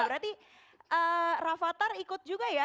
berarti rafatar ikut juga ya